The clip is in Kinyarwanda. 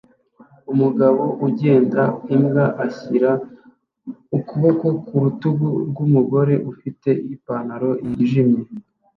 Umugabo ugenda imbwa ashyira ukuboko ku rutugu rw'umugore ufite ipantaro yijimye